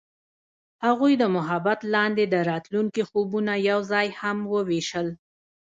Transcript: هغوی د محبت لاندې د راتلونکي خوبونه یوځای هم وویشل.